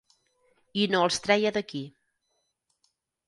I no els treia d'aquí.